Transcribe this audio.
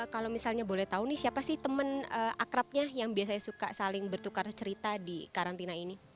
kalau misalnya boleh tahu nih siapa sih teman akrabnya yang biasanya suka saling bertukar cerita di karantina ini